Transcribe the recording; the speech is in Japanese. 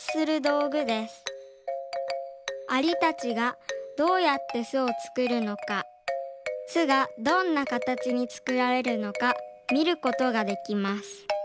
アリたちがどうやってすをつくるのかすがどんなかたちにつくられるのかみることができます。